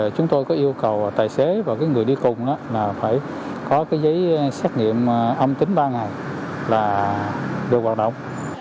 chúng tôi có yêu cầu tài xế và người đi cùng phải có giấy xét nghiệm âm tính ba ngày là được hoạt động